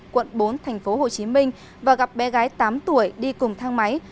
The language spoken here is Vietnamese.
quận bốn tp hồ chí minh và gặp bé gái tám tuổi đi cùng thang máy